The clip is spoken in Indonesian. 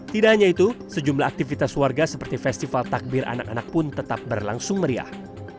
tidak hanya itu sejumlah aktivitas warga seperti festival takbir anak anak pun tetap berlangsung meriah